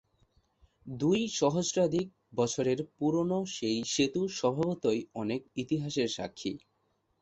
দুই সহস্রাধিক বছরের পুরনো এই সেতু স্বভাবতই অনেক ইতিহাসের সাক্ষী।